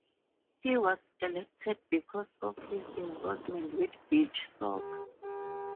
He was elected because of his involvement with beach soccer.